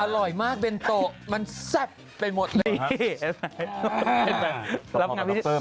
อร่อยมากเบนโตมันแซ่บไปหมดเลย